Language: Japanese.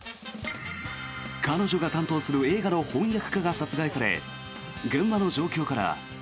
彼女が担当する映画の翻訳家が殺害され現場の状況から。